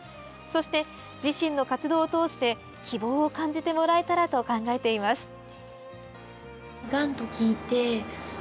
そして、自身の活動を通して希望を感じてもらえたらと考えています。